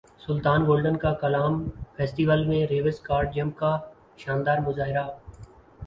سلطان golden کا کالام festival میں ریورس کار جمپ کا شاندار مظاہرہ